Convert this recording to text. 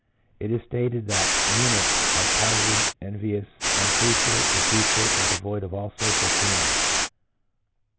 It is stated that eunuchs are cowardly, envious, untruthful, deceitful, and devoid of all social feelings.